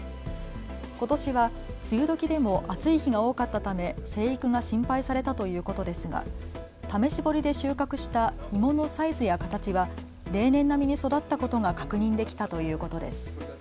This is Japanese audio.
ことしは梅雨どきでも暑い日が多かったため生育が心配されたということですが試し掘りで収穫した芋のサイズや形は例年並みに育ったことが確認できたということです。